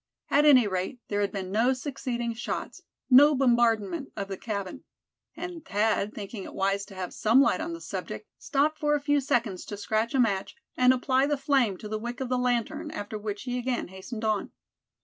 At any rate, there had been no succeeding shots, no bombardment of the cabin. And Thad, thinking it wise to have some light on the subject, stopped for a few seconds to scratch a match, and apply the flame to the wick of the lantern, after which he again hastened on.